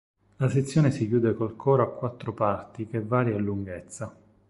La sezione si chiude col coro a quattro parti che varia in lunghezza.